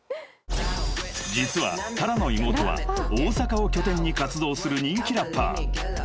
［実はＴａｒａの妹は大阪を拠点に活動する人気ラッパー］